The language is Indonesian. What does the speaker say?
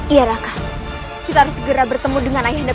iya raka kita harus segera ke istana dan mencari paman teh yang sangat gendut